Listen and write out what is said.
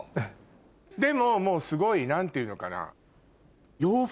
でももうすごい何ていうのかな。